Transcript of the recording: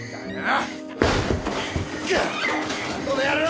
この野郎！